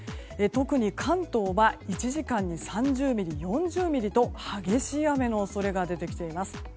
特に関東は１時間に３０ミリ、４０ミリと激しい雨の恐れが出てきています。